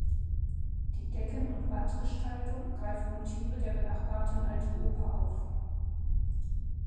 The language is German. Die Decken- und Wandgestaltung greift Motive der benachbarten Alten Oper auf.